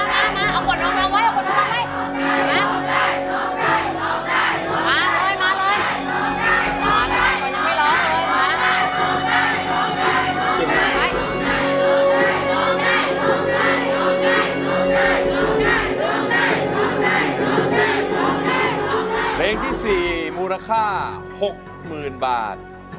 หกหมื่นบาทคือสูงใจหกหมื่นบาท